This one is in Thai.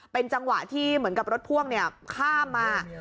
เป็นจังหวะที่เหมือนกับรถพ่วงข้ามมา